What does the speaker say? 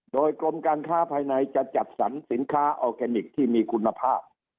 โดยกรมการค้าภายในจะจัดสรรสินค้าออร์แกนิคที่มีคุณภาพ